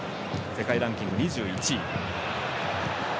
世界ランキング２１位。